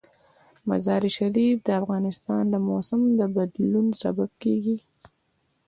مزارشریف د افغانستان د موسم د بدلون سبب کېږي.